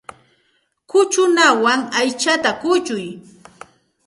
Kuchukuwan aychata kuchuy.